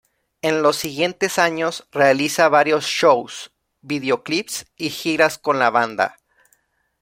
En los siguientes años realiza varios shows, videoclips, y giras con la banda.